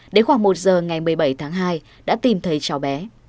đến khoảng một giờ ngày một mươi bảy tháng hai đã tìm thấy cháu bé